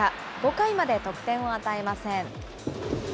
５回まで得点を与えません。